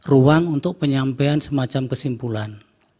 ruang untuk penyampaian semacam kesimpulan